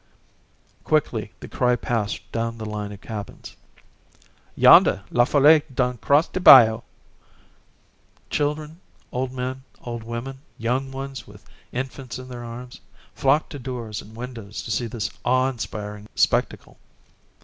Quickly the cry passed down the line of cabins. "Yonda, La Folle done cross de bayou!" Children, old men, old women, young ones with infants in their arms, flocked to doors and windows to see this awe inspiring spectacle.